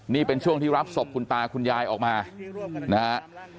นี่เป็นช่วงที่รับศพคุณตาคุณยายออกมานะฮะ